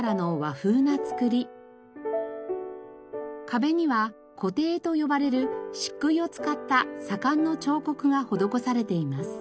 壁にはこて絵と呼ばれるしっくいを使った左官の彫刻が施されています。